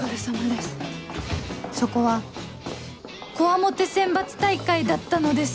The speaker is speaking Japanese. そこは強面選抜大会だったのです